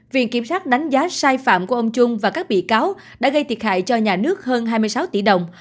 viện kiểm sát đánh giá sai phạm của ông trung và các bị cáo đã gây thiệt hại cho nhà nước hơn hai mươi sáu tỷ đồng